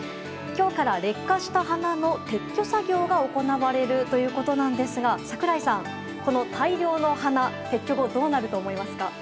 今日から、劣化した花の撤去作業が行われるということなのですが櫻井さん、この大量の花は撤去後、どうなると思いますか？